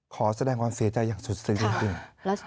ขอแสดงความเสียใจอย่างสุดสิจริงครับแล้ว